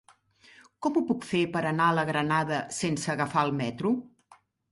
Com ho puc fer per anar a la Granada sense agafar el metro?